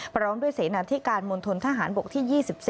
พร้อมด้วยเสนอที่การมนตรทหารบกที่๒๔